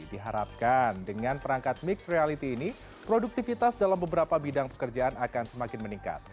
diharapkan dengan perangkat mixed reality ini produktivitas dalam beberapa bidang pekerjaan akan semakin meningkat